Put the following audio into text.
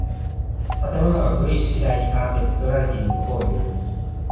建物が古いしきたりにかなって作られていることをいう。